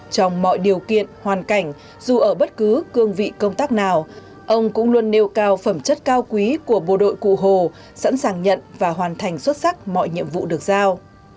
trong mọi điều kiện hoàn cảnh dù ở bất cứ cương vị công tác nào ông cũng luôn nêu cao phẩm chất cao quý của bộ đội cụ hồ sẵn sàng nhận và hoàn thành xuất sắc mọi nhiệm vụ được giao